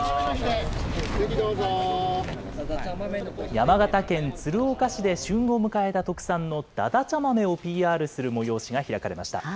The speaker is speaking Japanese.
山形県鶴岡市で、旬を迎えた特産のだだちゃ豆をＰＲする催しが開かれました。